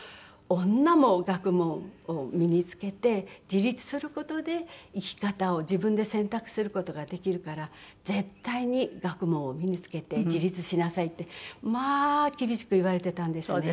女も学問を身につけて自立する事で生き方を自分で選択する事ができるから絶対に学問を身につけて自立しなさいってまあ厳しく言われていたんですね。